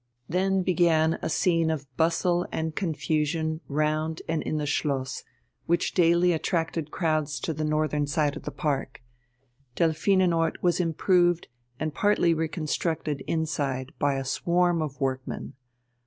Then began a scene of bustle and confusion round and in the Schloss, which daily attracted crowds to the northern side of the park. Delphinenort was improved and partly reconstructed inside by a swarm of workmen.